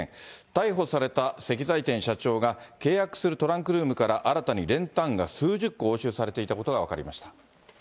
逮捕された石材店社長が、契約するトランクルームから、新たに練炭が数十個押収されていたことが分かりました。